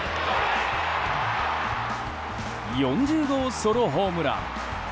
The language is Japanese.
４０号ソロホームラン。